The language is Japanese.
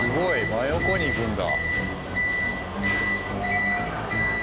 真横に行くんだ。